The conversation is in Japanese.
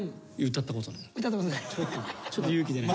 歌ったことない？